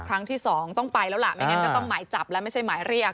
ครั้งที่สองต้องไปแล้วล่ะไม่งั้นก็ต้องหมายจับแล้วไม่ใช่หมายเรียก